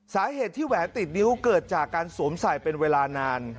สาเหตุที่แหวนติดนิ้วเกิดจากการสวมใส่เป็นเวลานาน